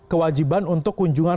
kewajiban untuk kunjungan